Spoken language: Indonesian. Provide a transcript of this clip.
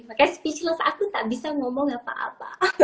sebenarnya speechless aku gak bisa ngomong apa apa